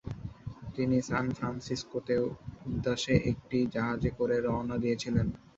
তিনি সান ফ্রান্সিসকোতে উদ্দাশে একটি জাহাজে করে রওনা দিয়েছিলেন।